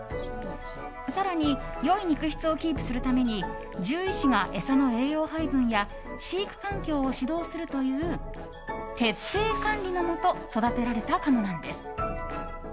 更に良い肉質をキープするために獣医師が餌の栄養配分や飼育環境を指導するという徹底管理のもと育てられた鴨なんです。